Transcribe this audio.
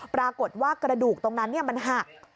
ปรากฏว่ากระดูกตรงนั้นมันหัก